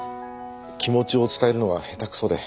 気持ちを伝えるのが下手くそで。